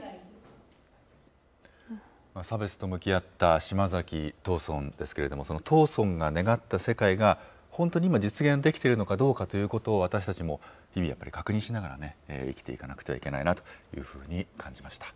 差別と向き合った島崎藤村ですけれども、その藤村が願った世界が、本当に今、実現できているのかどうかということを、私たちも日々やっぱり確認しながら生きていかなくてはいけないなというふうに感じました。